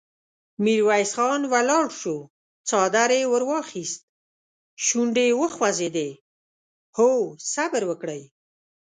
ميرويس خان ولاړ شو، څادر يې ور واخيست، شونډې يې وخوځېدې: هو! صبر وکړئ!